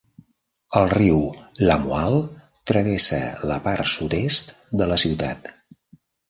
El riu Lamoille travessa la part sud-est de la ciutat.